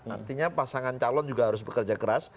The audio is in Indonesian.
artinya pasangan calon juga harus bekerja keras